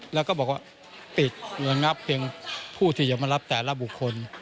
แล้วก็บอกว่าปิดระงับเพียงผู้ที่จะมารับแต่ละบุคคล